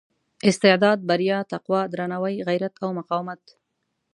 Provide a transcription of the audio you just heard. استعداد بریا تقوا درناوي غیرت او مقاومت.